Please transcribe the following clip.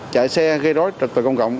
chạy xe gây rối trực tự công cộng